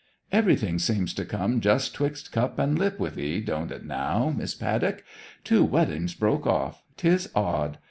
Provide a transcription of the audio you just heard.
'Everything seems to come just 'twixt cup and lip with 'ee, don't it now, Miss Paddock. Two weddings broke off 'tis odd!